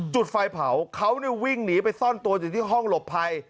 จุดไฟเผาเขาวิ่งหนีไปซ่อนตัวอยู่ที่ห้องหลบภัย